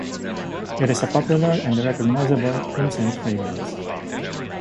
It is a popular and recognizable incense fragrance.